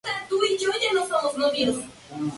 No se han realizado estudios en mujeres embarazadas.